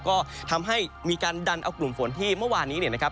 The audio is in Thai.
ก็ทำให้มีการดันเอากลุ่มฝนที่เมื่อวานนี้เนี่ยนะครับ